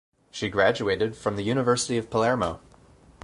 She graduated from the University of Palermo.